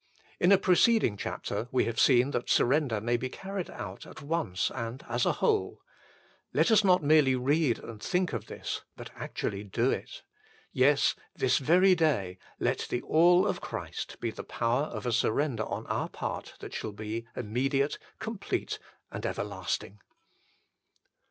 In a preceding chapter we have seen that surrender may be carried out at once and as a whole : let us not merely read and think of this, but actually do it. Yes : this very day, let the All of Christ be the power of a surrender on our part that shall be immediate, complete, and everlasting.